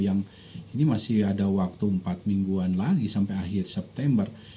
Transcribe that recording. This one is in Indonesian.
yang ini masih ada waktu empat mingguan lagi sampai akhir september